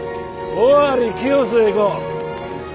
尾張清須へ行こう。